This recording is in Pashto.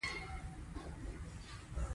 په افغانستان کې تودوخه شتون لري.